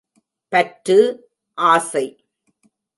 பற்று — ஆசை.